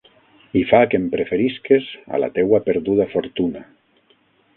I fa que em preferisques a la teua perduda fortuna.